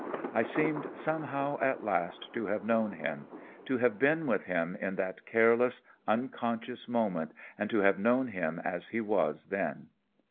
"I seemed, somehow, at last to have known him; to have been with him in that careless, unconscious moment and to have known him as he was then.